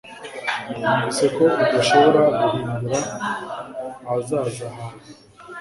Numvise ko udashobora guhindura ahazaza hawe